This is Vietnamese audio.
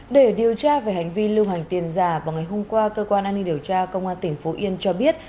để điều tra về hành vi lưu hành tiền giả vào ngày hôm qua cơ quan an ninh điều tra công an tỉnh phú yên cho biết